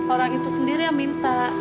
orang itu sendiri yang minta